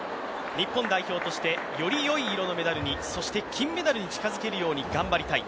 日本代表としてよりよい色のメダルにそして、金メダルに近づけるよう頑張りたい。